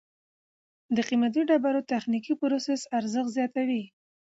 د قیمتي ډبرو تخنیکي پروسس ارزښت زیاتوي.